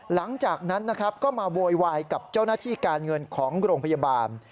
หลังจากนั้นนะครับก็มาโวยวายกับเจ้าหน้าที่การเงินของโรงพยาบาล